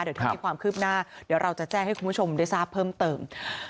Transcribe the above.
เดี๋ยวถ้ามีความคืบหน้าเดี๋ยวเราจะแจ้งให้คุณผู้ชมได้ทราบเพิ่มเติม